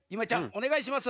おねがいします。